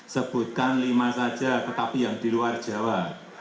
sebutkan lima saja tetapi yang di luar jawa